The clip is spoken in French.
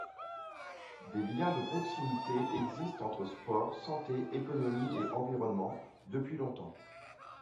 Des liens de proximité existent entre sport, santé, économie et environnement, depuis longtemps.